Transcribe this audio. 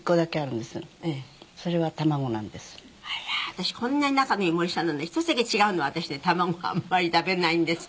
私こんなに仲のいい森さんなのに１つだけ違うのは私ね卵はあんまり食べないんです。